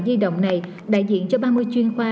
di động này đại diện cho ba mươi chuyên khoa